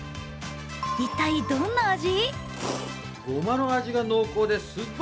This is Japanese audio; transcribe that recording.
一体、どんな味？